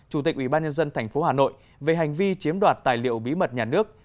chủ tịch ủy ban nhân dân tp hà nội về hành vi chiếm đoạt tài liệu bí bật nhà nước